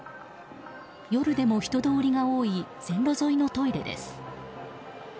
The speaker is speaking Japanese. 夜でも人通りが多い線路沿いのトイレです。